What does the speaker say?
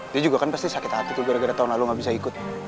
dia juga kan pasti sakit hati gara gara tahun lalu nggak bisa ikut